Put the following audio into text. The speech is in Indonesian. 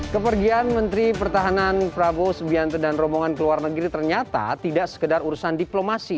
kepergian menteri pertahanan prabowo sbiante dan romongan keluar negeri ternyata tidak sekedar urusan diplomasi